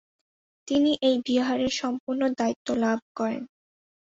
তিনি এই বিহারের সম্পূর্ণ দায়িত্ব লাভ করেন।